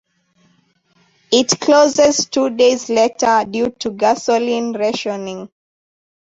It closes two days later due to gasoline rationing.